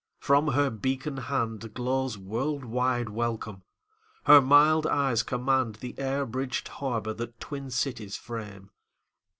From her beacon handGlows world wide welcome; her mild eyes commandThe air bridged harbour that twin cities frame.